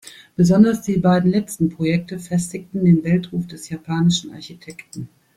Besonders die beiden letzten Projekte festigten den Weltruf des japanischen Architekten.